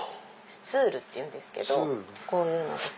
スツールっていうんですけどこういうのとか。